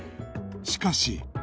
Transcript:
しかし